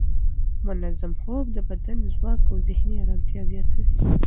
منظم خوب د بدن ځواک او ذهني ارامتیا زیاتوي.